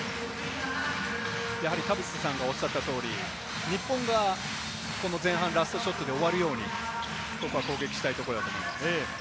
やはり田臥さんがおっしゃった通り、日本がこの前半、ラストショットで終わるように攻撃したいところだと思います。